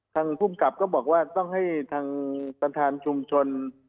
ภูมิกับก็บอกว่าต้องให้ทางประธานชุมชน